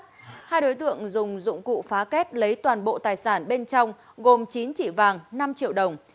hai đối tượng dùng dụng cụ phá kết lấy toàn bộ tài sản bên trong gồm chín chỉ vàng năm triệu đồng